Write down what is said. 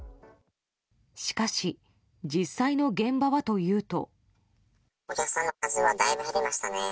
しかし、実際の現場はというと。